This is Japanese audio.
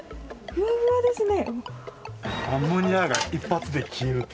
ふわふわですね！